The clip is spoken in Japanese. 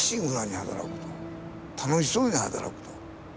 楽しそうに働くと。